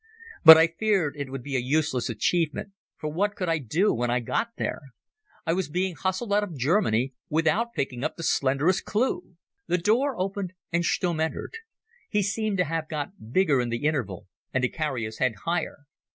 But I feared it would be a useless achievement, for what could I do when I got there? I was being hustled out of Germany without picking up the slenderest clue. The door opened and Stumm entered. He seemed to have got bigger in the interval and to carry his head higher.